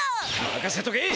まかせとけ！